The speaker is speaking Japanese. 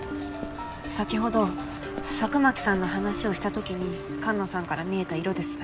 先ほど佐久巻さんの話をした時にかんなさんから見えた色です。